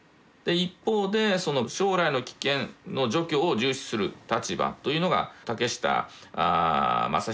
一方で「将来の危険の除去」を重視する立場というのが竹下正彦中佐。